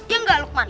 ya enggak lukman